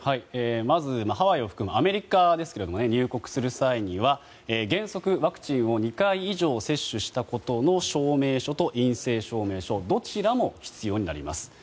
まず、ハワイを含むアメリカですけれども入国する際には原則、ワクチンを２回以上接種したことの証明書と陰性証明書どちらも必要になります。